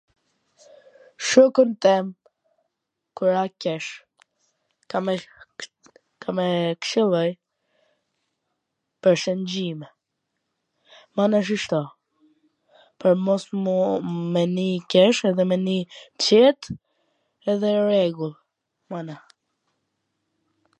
shokut tem, kur ai qesh, kam me .. kam me ... e kshilloj pwr Shwngjin, mana si shto, pwr mos m'u ...me nii i qesh edhe me nii qet edhe n rregull mana